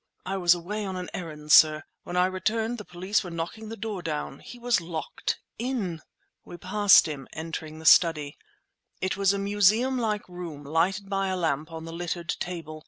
"I was away on an errand, sir. When I returned, the police were knocking the door down. He was locked in!" We passed him, entering the study. It was a museum like room, lighted by a lamp on the littered table.